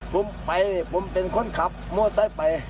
ผมไปผมเป็นคนขับมอเตอร์ไป